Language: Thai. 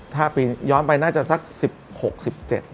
ถ้าย้อนไปน่าจะสัก๑๖๑๗นะครับ